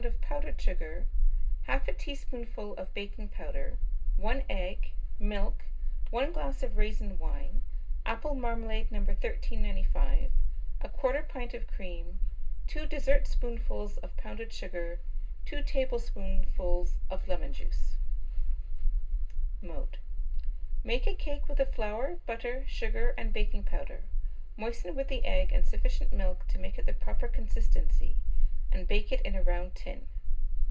of powdered sugar, 1/2 teaspoonful of baking powder, 1 egg, milk, 1 glass of raisin wine, apple marmalade No. 1395, 1/4 pint of cream, 2 dessertspoonfuls of pounded sugar, 2 tablespoonfuls of lemon juice. Mode. Make a cake with the flour, butter, sugar, and baking powder; moisten with the egg and sufficient milk to make it the proper consistency, and bake it in a round tin.